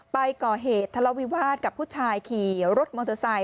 ไปก่อเหตุทะเลาวิวาสกับผู้ชายขี่รถมอเตอร์ไซค